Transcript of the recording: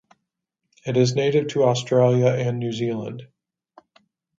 It is native to Australia and New Zealand.